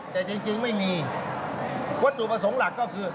แต่จริงไม่มีวัตถุประสงค์หลักก็คือ